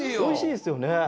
おいしいですよね。